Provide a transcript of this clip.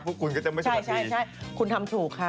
พวกคุณก็จะไม่ใช่คุณทำถูกค่ะ